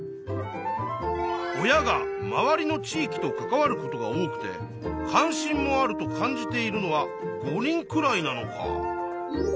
親が周りの地いきと関わることが多くて関心もあると感じているのは５人くらいなのか。